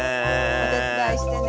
お手伝いしてね！